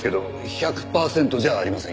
１００パーセントじゃありませんよ。